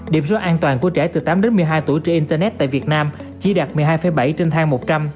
điểm số an toàn của trẻ từ tám đến một mươi hai tuổi trên internet tại việt nam chỉ đạt một mươi hai bảy trên thang một trăm linh